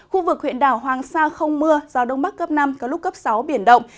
khu vực huyện đảo hoàng sa không mưa gió đông bắc cấp năm có lúc cấp sáu biển động